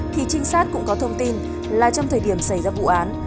thì trinh sát cũng có thông tin là trong thời điểm xảy ra vụ án